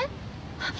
あっ。